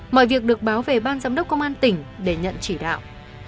mọi việc được báo về ban giám đốc công an tỉnh để nhận chỉ đạo